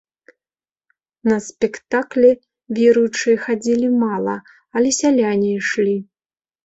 На спектаклі веруючыя хадзілі мала, але сяляне ішлі.